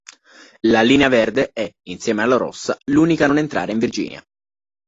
La linea verde è, insieme alla rossa, l'unica a non entrare in Virginia.